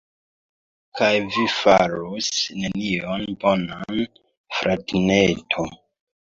Kaj vi farus nenion bonan, fratineto.